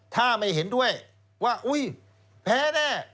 ถ้าไม่เห็นด้วยว่าอุ๊ยแพ้แน่